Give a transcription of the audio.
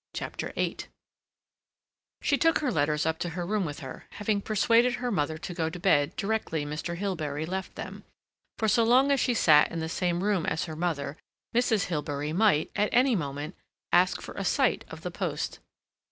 CHAPTER VIII She took her letters up to her room with her, having persuaded her mother to go to bed directly Mr. Hilbery left them, for so long as she sat in the same room as her mother, Mrs. Hilbery might, at any moment, ask for a sight of the post.